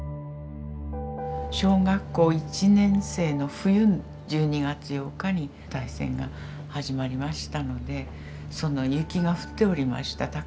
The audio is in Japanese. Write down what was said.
小学校１年生の冬１２月８日に大戦が始まりましたのでその雪が降っておりました。